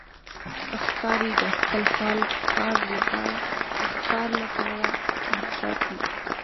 ښکاري د خپل ښکار لپاره محتاط وي.